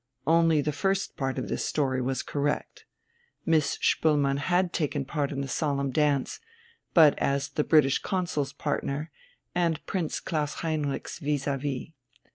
Only the first part of this story was correct. Miss Spoelmann had taken part in the solemn dance, but as the British Consul's partner and Prince Klaus Heinrich's vis à vis.